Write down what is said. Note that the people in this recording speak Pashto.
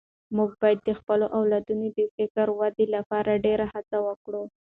موږ باید د خپلو اولادونو د فکري ودې لپاره ډېره هڅه وکړو.